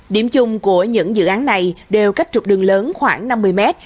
điểm chung của những dự án này đều cách trục đường lớn khoảng năm mươi mét